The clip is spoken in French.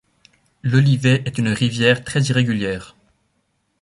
L'Olivet est une rivière très irrégulière.